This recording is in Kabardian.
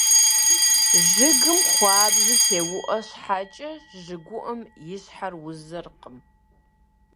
Жыгым хуабжьу теуIуэ щхьэкIэ, жыгыуIум и щхьэр узыркъым.